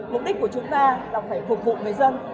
mục đích của chúng ta là phải phục vụ người dân